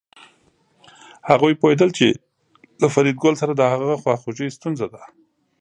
هغوی پوهېدل چې له فریدګل سره د هغه خواخوږي ستونزه ده